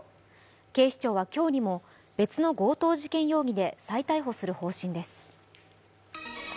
警視庁は今日にも別の強盗事件容疑で再逮捕する方針です。